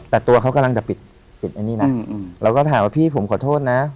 แต่ตัวเขากำลังจะปิดปิดไอ้นี่นะเราก็ถามว่าพี่ผมขอโทษนะ